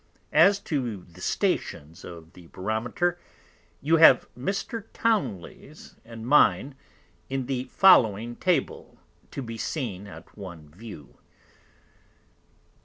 As to the Stations of the Barometer, you have Mr. Towneley's and mine in the following Table to be seen at one View.